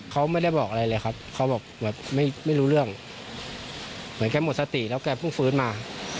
เขาไม่ได้บอกอะไรเลยครับเขาบอกแบบไม่รู้เรื่องเหมือนแกหมดสติแล้วแกเพิ่งฟื้นมา